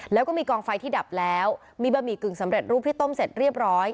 แล้วก็มีกองไฟที่ดับแล้วมีบะหมี่กึ่งสำเร็จรูปที่ต้มเสร็จเรียบร้อย